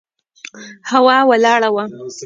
هوا ولاړه وه.